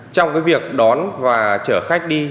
trong việc đón và chở khách đi